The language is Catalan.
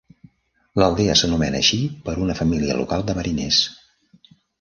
L'aldea s'anomena així per una família local de mariners.